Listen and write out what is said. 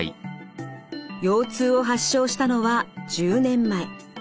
腰痛を発症したのは１０年前。